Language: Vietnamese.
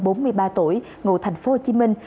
bác sĩ bệnh nhân bốn mươi ba tuổi ngủ thành phố hồ chí minh